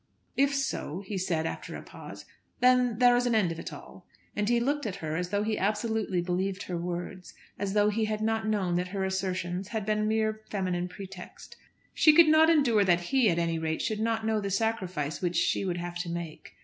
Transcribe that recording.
"If so," he said after a pause, "then there is an end of it all," and he looked at her as though he absolutely believed her words, as though he had not known that her assertion had been mere feminine pretext! She could not endure that he at any rate should not know the sacrifice which she would have to make.